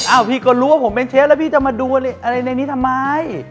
พี่ก็รู้ว่าผมเป็นเชฟแล้วพี่จะมาดูอะไรในนี้ทำไม